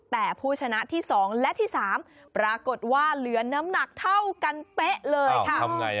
แต่ผู้ชนะที่๒และที่๓ปรากฏว่าเหลือน้ำหนักเท่ากันเป๊ะเลยค่ะ